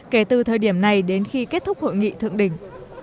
kể từ thời điểm này đến khi kết thúc hội nghị thượng đỉnh